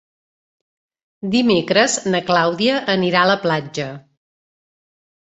Dimecres na Clàudia anirà a la platja.